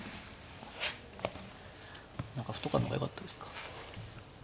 何か歩とかの方がよかったですか？